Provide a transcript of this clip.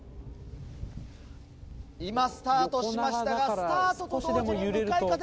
今スタートしましたがスタートと同時に向かい風